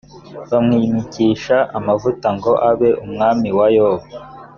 bamwimikisha amavuta ngo abe umwami wa yobu